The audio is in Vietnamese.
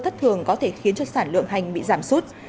thất thường có thể khiến cho sản lượng hành bị giảm sút